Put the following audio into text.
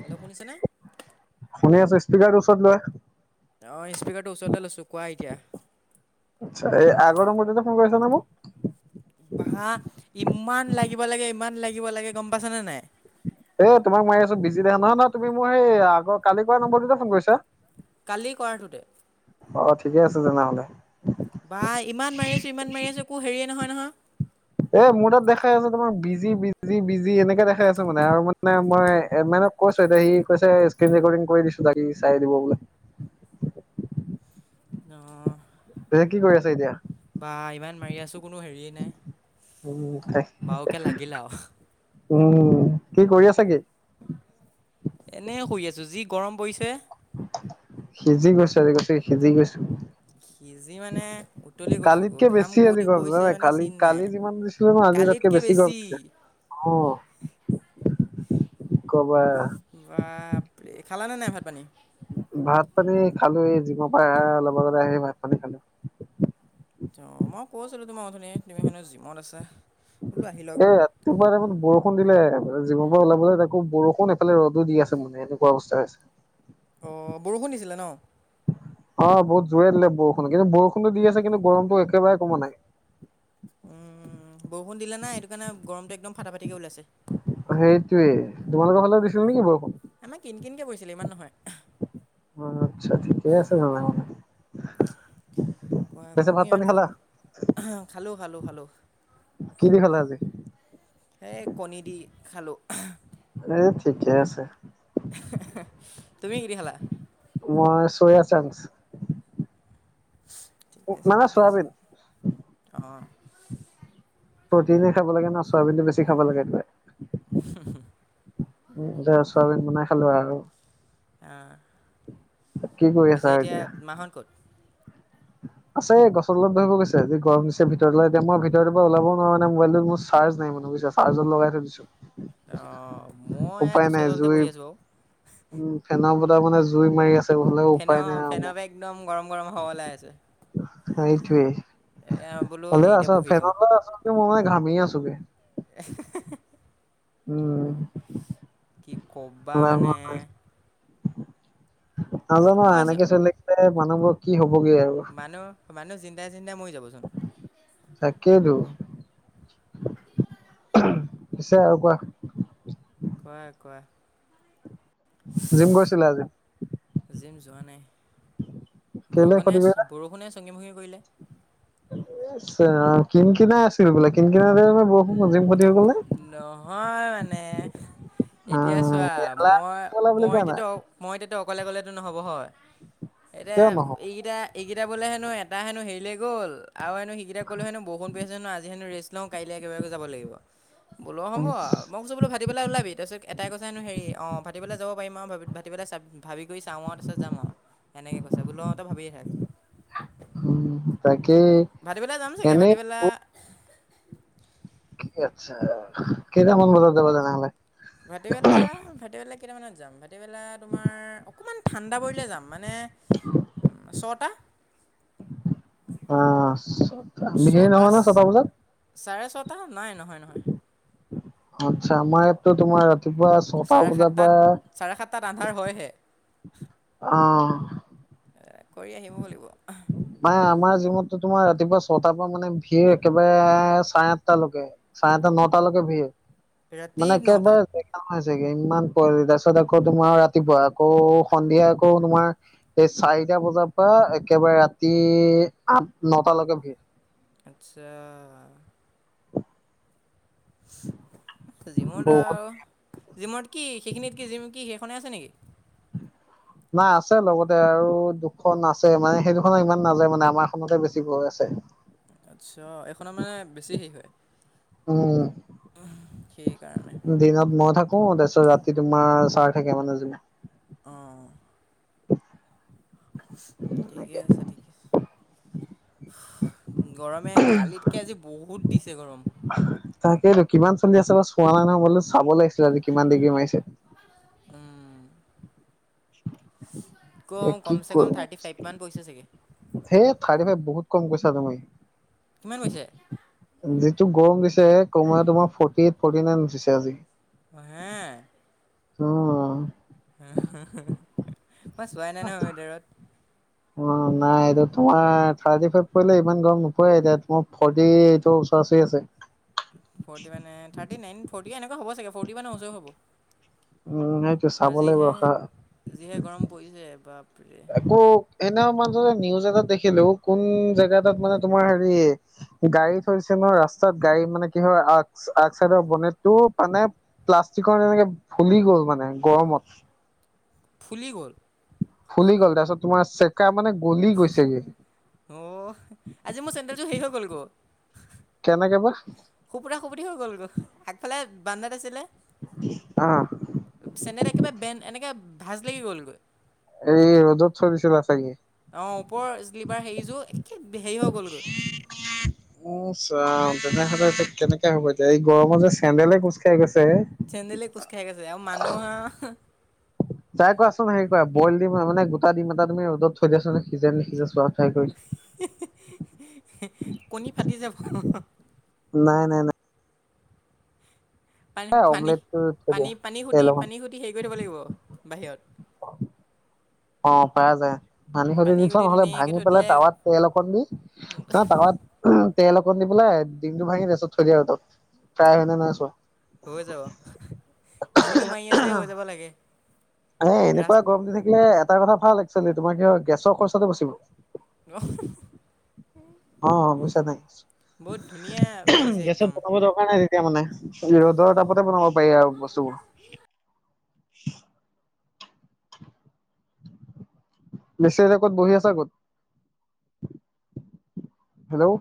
Hello শুনিছেনে [unintelligible] শুনি আছোঁ স্পিকাৰ ওচৰত লোৱা, অ ইস্পিকাৰটো ওচৰত লৈ লৈছো কোৱা এতিয়া। এই আগৰ নম্বৰটোতে ফোন কৰিছা নে মোক? বাহ ইমান লাগিব লাগে ইমান লাগিব লাগে গম পাইছানে নাই? এ তোমাক মাৰি আছো বিজি দেখা নহয় নহয় তুমি মোৰ সেই আগৰ কালি কৰা নম্বৰটোতে ফোন কৰিছা, কালি কৰাটোতে, অ ঠিকে আছে তেনেহ'লে। বা ইমান মাৰি আছো ইমান মাৰি আছো একো হেৰিয়ে নহয় নহয়। এ মোৰ তাত দেখাই আছে তোমাক বিজি বিজি বিজি এনেকে দেখাই আছে মানে আৰু মানে মই মানে তাক কৈছো এতিয়া সি কৈছে স্ক্ৰীন ৰেকৰ্ডিং কৰি দিছো, বাকি চাই দিব বোলে। অহ, দে কি কৰি আছা এতিয়া? বা ইমান মাৰি আছোঁ কোনো হেৰিয়ে নাই। উম। বাৰুকে লাগিল আও। উম, কি কৰি আছা কি? এনেই শুই আছোঁ যি গৰম পৰিছে। সিজি গৈছোঁ আজি গোটেই সিজি গৈছোঁ। সিজি মানে উতলি গৈছোঁ। কালিতকে ঘাম বেছি আজি কদি গৰম জানা বৈছে নাই মানে কালি চিন কালি নাই। যিমান দিছিলো ন আজি তাতকে বেছি গৰম দিছে অ'। [inaudible] কি কবা বাপৰে! খালানে নাই ভাত-পানী? ভাত-পানী খালো, এ জিমৰ পা অলপ আগত আহি ভাত-পানী খালো। অ' মই কৈছিলোঁ তোমাক অথনি তুমি হেনো জিমত আছা। বোলো আহি লওক এ ৰাতিপুৱা দেখোন বৰষুণ দিলে। জিমৰ পৰা ওলাই পেলে দেখো বৰষুণ এফালে ৰদো দি আছে মানে এনেকুৱা অৱস্থা হৈ আছে। অ' বৰষুণ দিছিলে ন? অ' বহুত জোৰে দিলে বৰষুণ, কিন্তু বৰষুণটো দি আছে কিন্তু গৰমটো একেবাৰে কমা নাই। উম, বৰষুণ দিলে না এইটো কাৰণে গৰমটো একদম ফাটা-ফাটিকে ওলাইছে। সেইটোয়ে, তোমালোকৰ ফালেও দিছিল নেকি বৰষুণ? আমাৰ কিন-কিনকে পৰিছিলে‌, ইমান নহয়। আচ্ছা, ঠিকেই আছে তেনেহলে। কোৱা পিছে কোৱা, ভাত মই পানী ইমান খালা ফোন, খালো খালো খালো! কি দি খালা আজি? এ কণী দি খালো। এ ঠিকে আছে। তুমি কি দি খালা? মই চয়া চাংছ। ঠিকে আছে মানে ঠিকে আছে চয়াবিন। অ'। প্ৰটিনো খাব লাগে ন চয়াবিনটো বেছি খাব লাগে প্ৰায়। উম, [unintelligible] চয়াবিন বনাই খালো আৰু। অ', কি কৰি আছা পিছে আৰু এতিয়া মাঁহত ক'ত? [inaudible] আছে গছৰতলত বহিব গৈছে যি গৰম দিছে ভিতৰলৈ এতিয়া মই ভিতৰৰ পৰা ওলাব নোৱাৰোনে মুবাইলটোত মোৰ চাৰ্জ নাই মানে। বুজিছা চাৰ্জত লগাই থৈ দিছো। অ'। উপায় নাই জুই উম ফেনৰ বতাহ মানে জুই মাৰি আছে। তেনে হলে ফেনৰ উপায় নাই আৰু ফেনৰ মোৰ। পৰা একদম গৰম গৰম হাৱা ওলাই আছে। এইটোৱে এয়া বোলো হলেও হেৰিতে আছ বহি ফেনৰ থাকোঁ। তলত আছ [unintelligible] মানে ঘামি আছোগে। [unintelligible] উম। কি ক'বা মানে [unintelligible] মই নাজানোৱা এনেকে চলি থাকিলে মানুহবোৰ কি হ'ব। মানুহ-মানুহ চিন্তাই চিন্তাই মৰি যাবচোন। তাকেইেতো। পিছে আৰু কোৱা। কোৱা কোৱা। জিম গৈছিলা আজি জিম যোৱা নাই? কেলে বৰষুণে, ক্ষতি কৰিলা বৰষুণে চগী ভগী কৰিলে। [unintelligible] কিন কিনাই আছিল বোলে, কিন কিনাই থাকিলে বৰষুণ [unintelligible] নহয় মানে এতিয়া চোৱা আহ এলাহ কৰিলা বুলি মই-মই কোৱা নাই এতিয়াতো মই এতিয়া অকলে গলেতো নহব হয়, এতিয়া কিয় নহ'ব এইকেইটা এইকেইটা এতিয়া বোলে হেনো এটা হেনো হেৰিলে গ'ল আৰু এনো সেইকেইটা কলো হেনো বৰষুণ পৰি আছে আজি হেনো ৰেষ্ট। লওঁ কাইলৈ একেবাৰলৈ যাব লাগিব। বোলো হ'ব আৰু মই কৈছোঁ বোলো ভাতিবেলা ওলাবি‌ তাৰপিছত এটাই কৈছে হেনো হেৰি অ' ভতিবেলা যাব পাৰিম আৰু ভাতিবেলা ভাবি কৰি চাওঁ আৰু তাৰ পিছত যাম আৰু এনেকে কৈছে অ' বোলো তই ভাবিয়ে থাক। উম তাকেই ভাতিবেলা যাম চাগে এনেই ভাতিবেলা কি আচ্ছা, কেইটামান বজাত যাবা তেনেহ'লে? ভাটিবেলা-ভাটিবেলা কেইটামানত যাম ভাটিবেলা তোমাৰ অকণমান ঠাণ্ডা পৰিলে যাম মানে ছটা অ' ছটা ভিৰ ছটা নহয় ন বজাত চাৰে ছটা নাই নহয়-নহয়। আচ্ছা মইটো তোমাৰ ৰাতিপুৱা ছটা চাৰে বজাৰ পৰা সাতটাত-চাৰে সাতটাত আন্ধাৰ হয়হে। অ' কৰি আহিব লাগিব। অ' মানে আমাৰ জিমটো তোমাৰ ৰাতিপুৱা ছটাৰ পৰা মানে ভিৰ একেবাৰে চাৰে আঠটা লৈকে চাৰে আঠটা নটা লৈকে ভিৰ ৰাতি মানে নটা একেবাৰে হৈ চাগে ইমান কুৱলি তাৰপিছত আকৌ তোমাৰ ৰাতিপুৱা আকৌ সন্ধিয়া আকৌ তোমাৰ এই চা চাৰিটা বজাৰ পৰা একেবাৰে ৰাতি আঠ নটালৈকে ভিৰ। আচ্ছা। জিমত বহুত আৰু জিমত কি সেইখিনিত কি জিম কি সেইখনে আছে নেকি? নাই আছে লগতে আৰু দুখন আছে মানে সেই দুখনত ইমান নাযায় মানে আমাৰখনতে বেছি গৈ আছে। আচ্ছা এইখনত মানে বেছি হেৰি হয় উম, সেইকাৰণে দিনত মই থাক অ, তাৰপিছত ৰাতি তোমাৰ চাৰ থাকে মানে জুনে অ', তেনেকে ঠিকেই আছে ঠিকিছ। গৰমে কালিতকে আজি বহুত দিছে গৰম। তাকেইতো কিমান চলি আছে বা চোৱা নাই নহয় মই বোলো চাব লাগিছিলে আজি কিমান ডিগ্ৰী মাৰিছে। উম, কম এ কি কমচে কম কৰো থাৰ্টি ফাইভ মান পৰিছে চাগে সে থাৰ্টি ফাইভ বহুত। কম কৈছা তুমি কিমান কৈছে? যিটো গৰম দিছে কমুৱা তোমাৰ ফৰ্টি এইট ফৰ্টি নাইন উঠিছে আজি। অ, হে। অ', মই চোৱাই নাই নহয় ভিতৰত। অ নাই এইটো তোমাৰ থাৰ্টি ফাইভ পৰিলে ইমান গৰম নপয় এতিয়া ফৰটি ইয়ট। চোৱা চোৱা আছে। ফটি মানে থাৰ্টি নাইন ফৰটি এনেকুৱা হ'ব চাগে ফৰটি মানে ওচৰৰ হ'ব। উম সেইটো চাব লাগিব যিহে ৰখা যিহে গৰম পৰিছে বা। একো এনে ম নিউজ এ দেখিলো কোন জেগা তাত মানে তোমাৰ হেৰি গাড়ী থৈছে। ৰাস্তাত গাড়ী মানে কি হয়। আগ আগ চাইডৰ বনেটটো মানে প্লাষ্টিকৰ এনেকে। ফুলি গ'ল মানে গৰমত। ফুলি গ'ল। ফুলি গ'ল তাৰপিছত তোমাৰ চেকা মানে। গলি গৈছেগে অ আজি মোৰ চেণ্ডেলযোৰ শেষ হৈ গ'ল গৈ। কেনে কে বা। সুপুত সুপুট হৈ গ'ল গৈ আগফালে বান্দাত আছিলে। আহ চেন্দেল একেবাৰে বেন এনেকে ভাজ লাগি গ'লগৈ। এই ৰ'দত থয় দিছিলা চাগে। অ ওপৰ শ্লিপাৰ হেৰিযোৰ একে হেৰি হৈ গ'লগৈ। উ চাও তেনেহ'লে এতি কেনেকে হ'ব এতিয়া এই গৰমত যে চেন্দেলে খোজকাঢ় গৈছে। চেন্দেলে কোজ খাই গৈছে, আৰু মানুহ আহ। টাই কোৱাচোন হেৰি কৰা বইল দিম মানে গোটা দিম এটা তুি ৰ'দত থৈ দিয়ছোন নে সিজে নি সিজে চোৱা। ট্ৰাই কৰি কণী ফাটি যাব। নাই নাই পানী, এ পানী, অমলেটটো থৈ পানী, দিয়া পানী, খুটি তেল অকণ পানী খুটি হেৰি কৰি থ'ব লাগিব বাহিৰত। অ পাই যায় পানী সতি দি থোৱা খুটি নহ'লে ধুনীয়াকৈ ভাঙি থৈ পেলাই দিলে টাৱাত তেল অকণ দি তাৱাত। [unintelligible] তেল অকত দি পেলাই দিমটো ভাঙিত থৈ দিয় আৰু তাত ফ্ৰাই হয় নে নহয় চোৱা। হৈ যাব। যিটো মাৰি আছে হৈ যাব লাগে। এ এনেকুৱা ৰাস্ত গৰম দি থাকিলে। এটা কথা ভাল একচুৱেলি তোমাৰ কি হয়। গেছৰ খৰচাটো বাচিব। [unintelligible] চনোই বহুত ধুনীয়া মাৰিছে একদম। ৰ'দ তাপতে মানে বনাব পাৰি আৰু বস্তুবোৰ। মেছেজ ক'ত বহি আছা ক'ত হেল্ল'।